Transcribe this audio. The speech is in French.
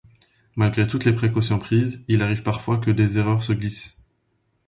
Malgré toutes les précautions prises, il arrive parfois que des erreurs se glissent.